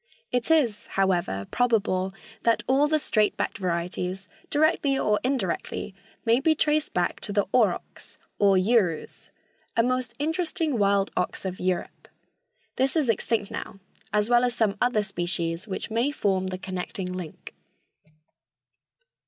It is, however, probable that all the straight backed varieties, directly or indirectly, may be traced back to the aurochs, or urus, a most interesting wild ox of Europe. This is extinct now, as well as some other species which may form the connecting link.